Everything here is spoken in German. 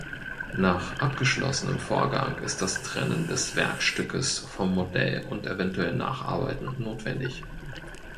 Nach abgeschlossenem Vorgang ist das Trennen des Werkstückes vom Modell und eventuell Nacharbeiten notwendig.